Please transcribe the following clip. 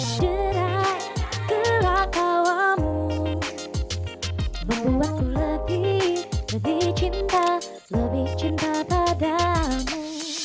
derai gerak awamu membuatku lebih lebih cinta lebih cinta padamu